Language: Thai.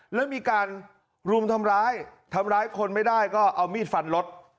แล้วมีการรุมทำร้ายทำร้ายคนไม่ได้ก็เอามีดฟันรถ